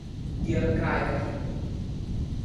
เยื้องพรายกฐิน